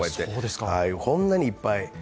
こんなにいっぱい。